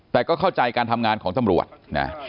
แต่ก็เข้าใจการทำงานของตำรวจนะ